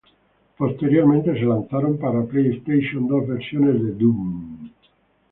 Posteriormente, se lanzaron para PlayStation dos versiones de "Doom".